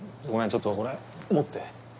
ちょっとこれ持って。